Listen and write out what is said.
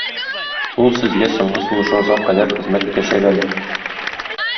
Ул сезгә соңгы сулышыгызга кадәр хезмәт итәчәк әле.